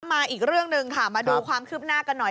มาอีกเรื่องหนึ่งค่ะมาดูความคืบหน้ากันหน่อย